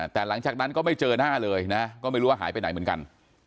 แต่หลังจากนั้นก็ไม่เจอหน้าเลยนะก็ไม่รู้ว่าหายไปไหนเหมือนกัน